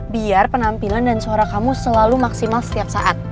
biar penampilan dan suara kamu selalu maksimal setiap saat